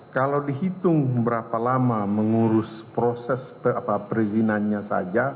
kalau dihitung berapa lama mengurus proses perizinannya saja